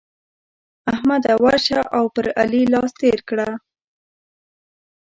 احمده! ورشه او پر علي لاس تېر کړه.